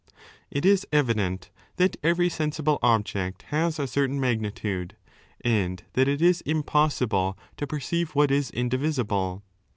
It is evident that every sensible object has a certain magnitude, and that it is impossible to perceive what is indivisible.